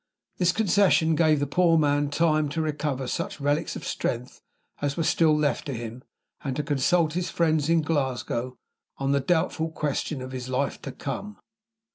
This concession gave the poor man time to recover such relics of strength as were still left to him, and to consult his friends in Glasgow on the doubtful question of his life to come.